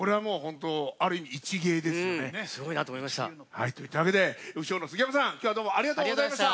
といったわけで鵜匠の杉山さん今日はどうもありがとうございました。